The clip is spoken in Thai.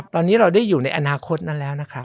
ตอนนี้เราได้อยู่ในอนาคตนั้นแล้วนะคะ